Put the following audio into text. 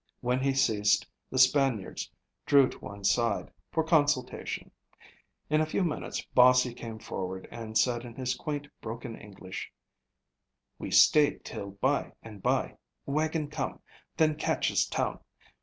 When he ceased the Spaniards drew to one side for consultation. In a few minutes Bossie came forward and said in his quaint broken English: "We stay till by and bye, wagon come, then catchee town.